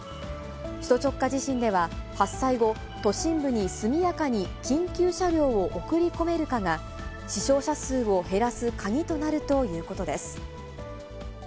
首都直下地震では、発災後、都心部に速やかに緊急車両を送り込めるかが、死傷者数を減らす鍵となるということです。